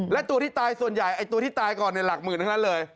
และตัวที่ตายส่วนใหญ่ไอ้ตัวที่ตายก่อนหลักหมื่นทั้งนั้นเลย